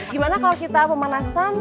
gimana kalau kita pemanasan